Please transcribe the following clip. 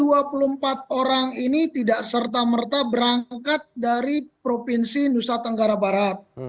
jadi ke dua puluh empat orang ini tidak serta merta berangkat dari provinsi nusa tenggara barat